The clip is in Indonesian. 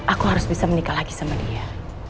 aku harus bisa menikah lagi sama dia